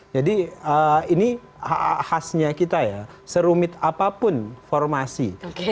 jadi ini khasnya kita ya serumit apapun formasi